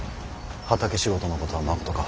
畑仕事のことはまことか。